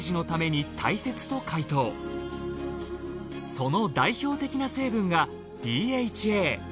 その代表的な成分がＤＨＡ。